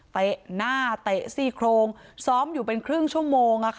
เตะหน้าเตะซี่โครงซ้อมอยู่เป็นครึ่งชั่วโมง